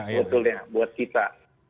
betul ya buat kita